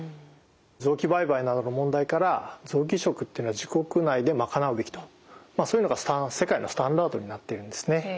臓器売買などの問題から臓器移植っていうのは自国内で賄うべきとそういうのが世界のスタンダードになっているんですね。